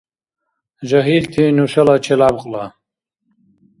Жагьилти – нушала челябкьла!